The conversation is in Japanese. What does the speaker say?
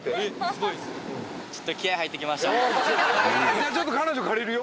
じゃあちょっと彼女借りるよ。